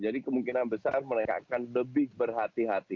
jadi kemungkinan besar mereka akan lebih berhati hati